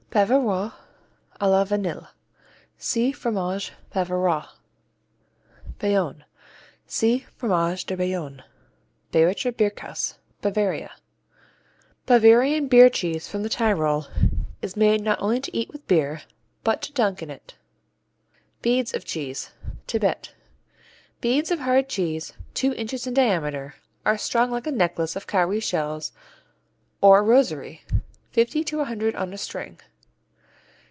Bavarois à la Vanille see Fromage Bavarois. Bayonne see Fromage de Bayonne. Bayrischer Bierkäse Bavaria Bavarian beer cheese from the Tyrol is made not only to eat with beer, but to dunk in it. Beads of cheese Tibet Beads of hard cheese, two inches in diameter, are strung like a necklace of cowrie shells or a rosary, fifty to a hundred on a string.